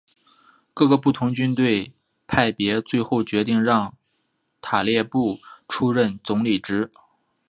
各个不同军队派别最后决定让塔列布出任总理职。